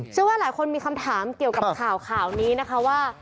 เชื่อว่าหลายคนมีคำถามเกี่ยวกับข่าวข่าวนี้นะคะว่า